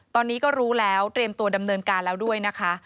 ตอนนี้ก็รู้แล้วเตรียมตัวดำเนินการแล้วด้วยนะคะ